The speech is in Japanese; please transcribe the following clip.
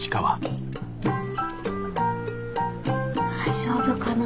大丈夫かな？